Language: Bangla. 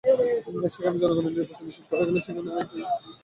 সেখানে জনগণের নিরাপত্তা নিশ্চিত করা গেলে সেটা আইএসের ধ্বংসাত্মক পরিণতি ডেকে আনবে।